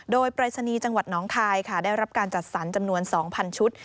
โดยปรายศนีย์จังหวัดน้องคายค่ะได้รับการจัดสรรจำนวน๒๐๐ชุด